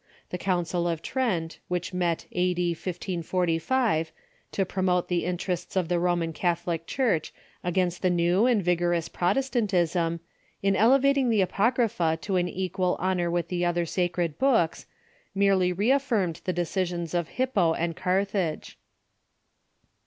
The Council of Trent, which met a.d. 1545, to promote the interests of the Roman Catholic Church against the new and vigorous Prot estantism, in elevating the Apocrypha to an equal honor with the other sacred books, simply reaffirmed the decisions of Hip po and Carthage.